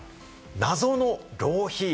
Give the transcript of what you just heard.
謎の浪費。